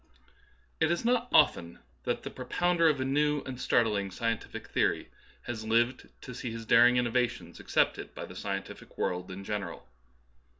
It is not often that the propounder of a new and startling scientific theory has lived to see his daring innovations accepted by the scientific world in general.